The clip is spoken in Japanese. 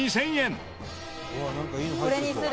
「これにする！